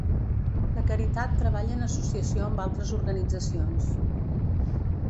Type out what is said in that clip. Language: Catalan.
La caritat treballa en associació amb altres organitzacions.